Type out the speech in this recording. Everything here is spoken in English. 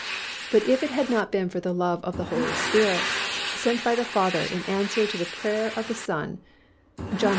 But if it had not been for the love of the Holy Spirit, sent by the Father in answer to the prayer of the Son (John xiv.